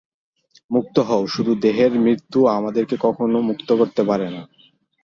মুক্ত হও, শুধু দেহের মৃত্যু আমাদের কখনও মুক্ত করতে পারে না।